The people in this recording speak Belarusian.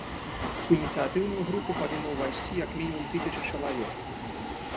У ініцыятыўную групу павінна ўвайсці як мінімум тысяча чалавек.